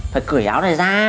phải cửi áo này ra